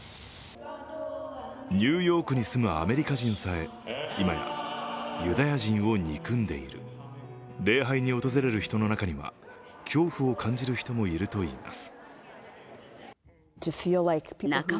ニューヨークに住むアメリカ人さえ今やユダヤ人を憎んでいる、礼拝に訪れる人の中には、恐怖を感じる人もいるといいます。